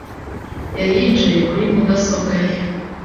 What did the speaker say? yari yicaye kuri mudasobwa ye.